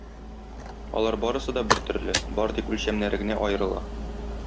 Алар барысы да бертөрле, бары тик үлчәмнәре генә аерыла.